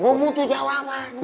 gue butuh jawaban